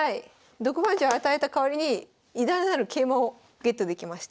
毒まんじゅう与えた代わりに偉大なる桂馬をゲットできました。